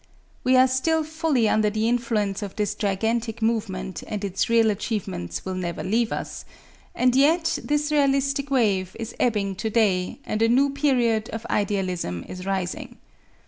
We are still fully under the influence of this gigantic movement and its real achievements will never leave us; and yet this realistic wave is ebbing to day and a new period of idealism is rising.